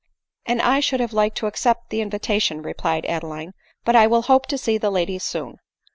" And I should have liked to accept the invitation," replied Adeline ;" but I will hope to see the ladies soon."